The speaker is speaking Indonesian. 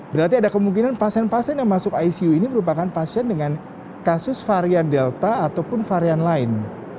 berarti ada kemungkinan pasien pasien yang masuk icu ini merupakan pasien dengan kasus varian delta ataupun varian lain